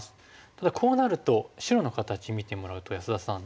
ただこうなると白の形見てもらうと安田さん